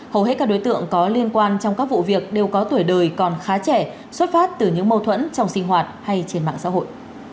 hầu hết các đối tượng có liên quan trong các vụ việc đều có tuổi đời còn khá trẻ xuất phát từ những mâu thuẫn trong sinh hoạt hay trên mạng xã hội